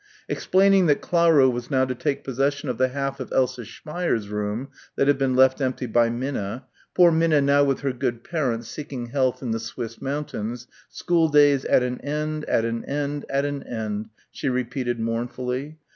Explaining that Clara was now to take possession of the half of Elsa Speier's room that had been left empty by Minna "poor Minna now with her good parents seeking health in the Swiss mountains, schooldays at an end, at an end, at an end," she repeated mournfully.